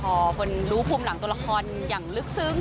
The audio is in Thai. พอคนรู้ภูมิหลังตัวละครอย่างลึกซึ้ง